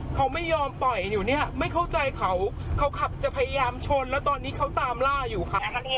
เขาไม่ยอมปล่อยอยู่เนี่ยไม่เข้าใจเขาเขาขับจะพยายามชนแล้วตอนนี้เขาตามล่าอยู่ค่ะ